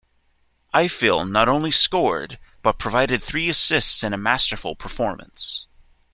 Ifill not only scored, but provided three assists in a masterful performance.